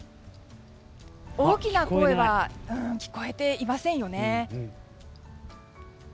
大きな声は聞こえていませんよね。